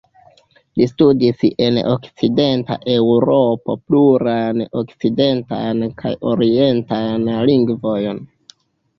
Li studis en Okcidenta Eŭropo plurajn okcidentajn kaj orientajn lingvojn.